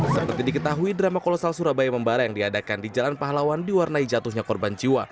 seperti diketahui drama kolosal surabaya membara yang diadakan di jalan pahlawan diwarnai jatuhnya korban jiwa